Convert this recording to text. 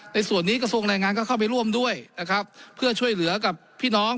ในส่วนนี้กระทรวงแรงงานก็เข้าไปร่วมด้วยนะครับเพื่อช่วยเหลือกับพี่น้อง